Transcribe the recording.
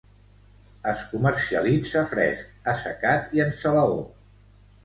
Es comercialitza fresc, assecat i en salaó.